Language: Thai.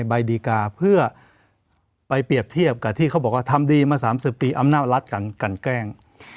ใบดีกาเพื่อไปเปรียบเทียบกับที่เขาบอกว่าทำดีมา๓๐ปีอำนาจรัฐกันกันแกล้ง